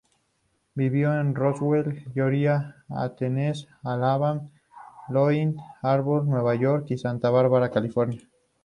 Vivió en Roswell, Georgia; Athens, Alabama; Lloyd Harbor, Nueva York; y Santa Barbara, California.